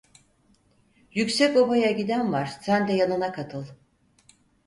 Yüksekoba'ya giden var, sen de yanına katıl!